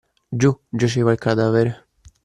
Giù, giaceva il cadavere